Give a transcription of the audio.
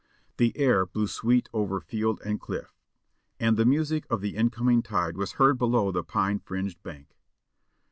The air blew sweet over field and cliff, add the music of the incoming tide was heard below the pine fringed bank.